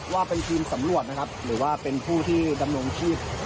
ว่าเป็นทีมสำรวจนะครับหรือว่าเป็นผู้ที่ดำรงชีพ